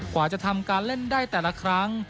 กว่าจะทำการเล่นได้แต่ละครั้ง